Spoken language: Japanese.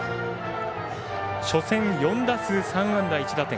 初戦、４打数３安打１打点。